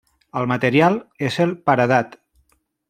El material és el paredat.